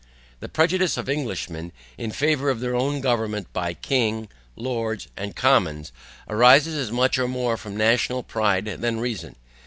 The prejudice of Englishmen, in favour of their own government by king, lords and commons, arises as much or more from national pride than reason.